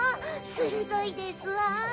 するどいですわ！